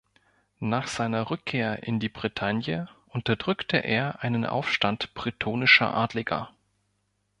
Nach seiner Rückkehr in die Bretagne unterdrückte er einen Aufstand bretonischer Adliger.